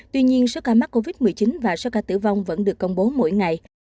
tuy nhiên số ca mắc covid một mươi chín và số ca tử vong vẫn được công bố mỗi ngày